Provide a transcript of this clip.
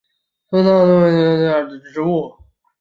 滇糙叶树为榆科糙叶树属的植物。